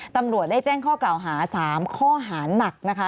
ตำรวจได้แจ้งข้อกล่าวหา๓ข้อหานักนะคะ